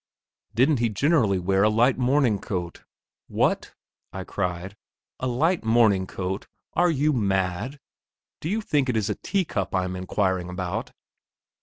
"Didn't he generally wear a light morning, coat?" "What!" I cried; "a light morning coat? Are you mad? Do you think it is a tea cup I am inquiring about?"